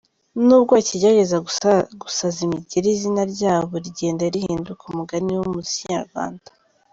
Nubwo bakigerageza gusaza imigeri izina ryabo rigenda rihinduka umugani mu muziki nyarwanda.